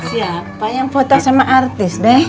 siapa yang foto sama artis deh